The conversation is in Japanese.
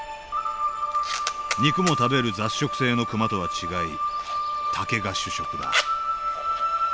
肉も食べる雑食性のクマとは違い竹が主食だ。